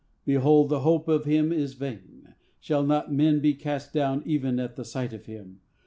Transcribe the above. "Behold, the hope of him is vain. Shall not men be cast down even at the sight of him?